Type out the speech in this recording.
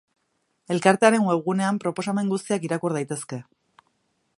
Elkartearen webgunean, proposamen guztiak irakur daitezke.